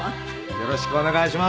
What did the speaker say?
よろしくお願いします。